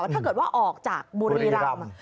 ถ้าเกิดว่าออกจากบุรีรำ